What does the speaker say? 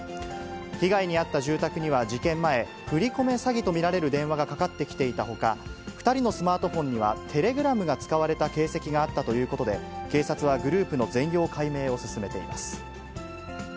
被害に遭った住宅には事件前、振り込め詐欺と見られる電話がかかってきていたほか、２人のスマートフォンには、テレグラムが使われた形跡があったということで、警察はグループの全容解明を進めています。